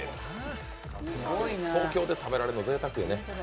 東京で食べられるの、ぜいたくやね。